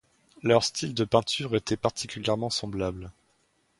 Leurs styles de peinture étaient particulièrement semblables.